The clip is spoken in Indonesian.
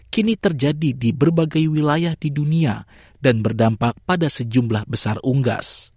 kini terjadi di berbagai wilayah di dunia dan berdampak pada sejumlah besar unggas